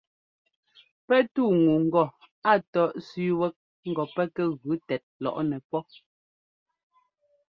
Pɛ́ túu ŋu ŋgɔ a tɔ́ ɛ́sẅíi wɛ́k ŋgɔ pɛ́ kɛ gʉ tɛt lɔꞌnɛ pɔ́.